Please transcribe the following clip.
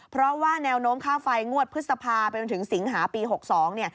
เพราะว่าแนวโน้มค่าไฟงวดพฤษภาไปจนถึงสิงหาปี๖๒เนี่ย